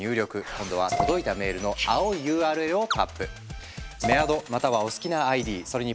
今度は届いたメールの青いＵＲＬをタップ。